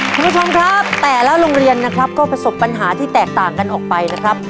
คุณผู้ชมครับแต่ละโรงเรียนนะครับก็ประสบปัญหาที่แตกต่างกันออกไปนะครับ